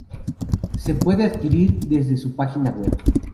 Se puede adquirir desde su página web.